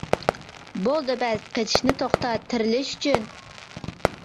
بولدى بەس قېچىشنى توختات تىرىلىش ئۈچۈن.